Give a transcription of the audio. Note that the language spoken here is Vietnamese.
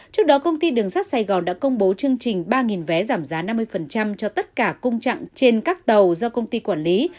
trước đó công ty đường sắt sài gòn đã công bố chương trình ba vé giảm giá năm mươi cho tất cả cung trạng trên các tàu do công ty quản lý